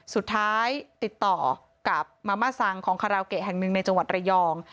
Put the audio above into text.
สุดท้ายติดต่อกับมาม่าซังของคาราโอเกะแห่งหนึ่งในจังหวัดระยอง